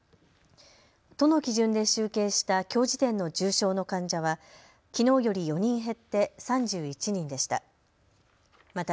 都の基準で集計したきょう時点の重症の患者はきのうより４人減って３１人でした。